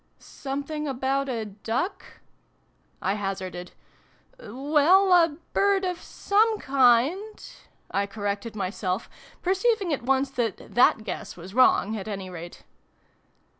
" Something about a duck ?" I hazarded. "Well, a bird of some kind?" I corrected myself, perceiving at once that that guess was wrong, at any rate.